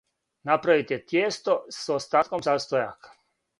Направите тијесто с остатком састојака.